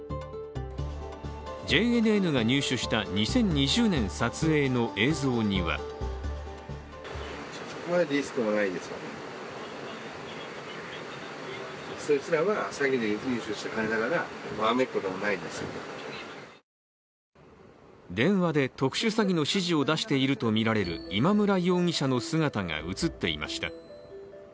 ＪＮＮが入手した２０２０年撮影の映像には電話で特殊詐欺の指示を出しているとみられる今村容疑者の姿が映っていました。